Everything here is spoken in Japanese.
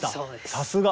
さすが！